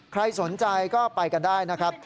ใครสนใจก็ไปกันได้นะครับ